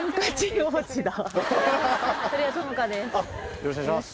よろしくお願いします。